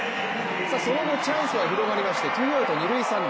その後、チャンスは広がりましてツーアウト二・三塁。